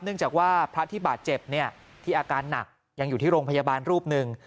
เนื่องจากว่าพระที่บาดเจ็บที่อาการหนักยังอยู่ที่โรงพยาบาลรูปหนึ่ง